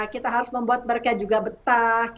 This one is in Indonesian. kita harus membuat mereka juga betah